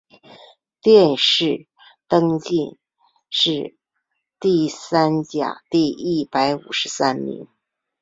殿试登进士第三甲第一百五十三名。